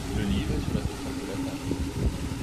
Le livre est sur la surface de la table.